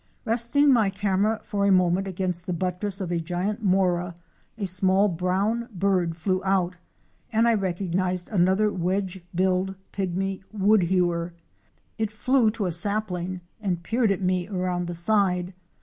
Resting my camera for a moment against the buttress of a giant mora, a small brown bird flew out and I recognized another Wedge billed Pygmy Woodhewer." It flew to a sapling and peered at me around the side.